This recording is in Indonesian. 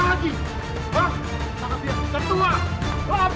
tak habis habis ketua rampok